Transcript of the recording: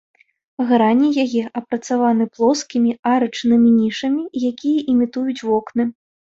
Грані яе апрацаваны плоскімі арачнымі нішамі, якія імітуюць вокны.